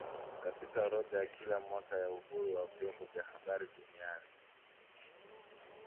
katika orodha ya kila mwaka ya uhuru wa vyombo vya habari duniani